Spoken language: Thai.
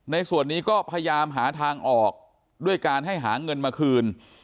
ในส่วนนี้ก็พยายามหาทางออกด้วยการให้หาเงินมาคืน